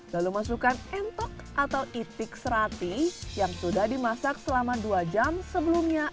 lalu masukkan entok atau itik serati yang sudah dimasak selama dua jam sebelumnya